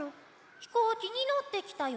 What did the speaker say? ひこうきにのってきたよ。